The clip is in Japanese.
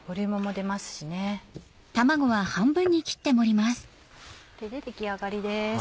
出来上がりです。